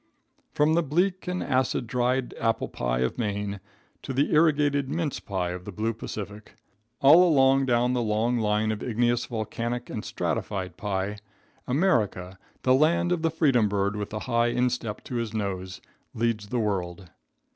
From the bleak and acid dried apple pie of Maine to the irrigated mince pie of the blue Pacific, all along down the long line of igneous, volcanic and stratified pie, America, the land of the freedom bird with the high instep to his nose, leads the world.